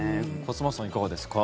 勝俣さん、いかがですか？